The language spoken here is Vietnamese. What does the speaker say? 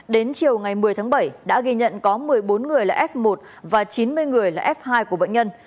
đến chiều ngày một mươi tháng bảy đã ghi nhận có một mươi bốn người là f một và chín mươi người là f hai của bệnh nhân